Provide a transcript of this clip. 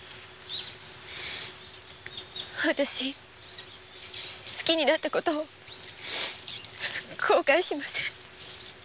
私好きになった事を後悔しません。